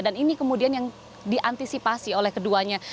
dan ini kemudian yang diantisipasi oleh keduanya